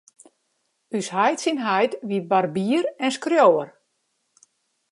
Us heit syn heit wie barbier en skriuwer.